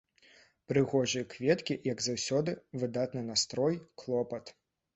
Прыгожыя кветкі, як заўсёды, выдатны настрой, клопат.